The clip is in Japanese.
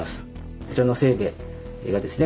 こちらの清兵衛がですね